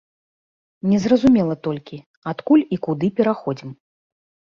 Незразумела толькі, адкуль і куды пераходзім.